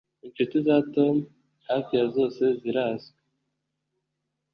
Inshuti za Tom hafi ya zose zirazwi